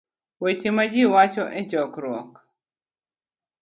weche ma ji wacho e chokruok